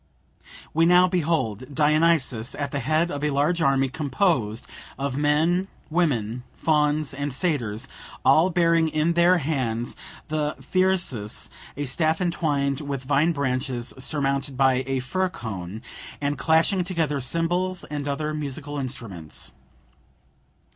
We now behold Dionysus at the head of a large army composed of men, women, fauns, and satyrs, all bearing in their hands the Thyrsus (a staff entwined with vine branches surmounted by a fir cone), and clashing together cymbals and other musical instruments.